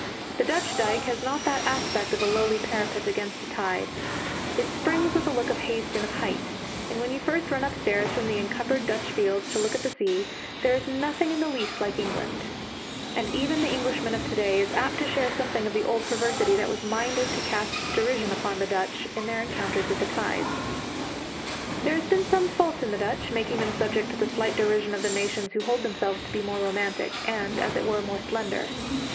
The Dutch dyke has not that aspect of a lowly parapet against a tide; it springs with a look of haste and of height; and when you first run upstairs from the encumbered Dutch fields to look at the sea, there is nothing in the least like England; and even the Englishman of to day is apt to share something of the old perversity that was minded to cast derision upon the Dutch in their encounters with the tides. There has been some fault in the Dutch, making them subject to the slight derision of the nations who hold themselves to be more romantic, and, as it were, more slender.